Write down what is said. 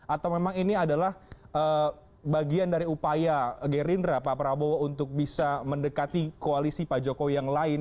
atau memang ini adalah bagian dari upaya gerindra pak prabowo untuk bisa mendekati koalisi pak jokowi yang lain